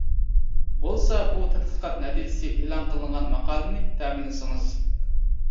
بولسا بۇ تەتقىقات نەتىجىسى ئېلان قىلىنغان ماقالىنى تەمىنلىسىڭىز.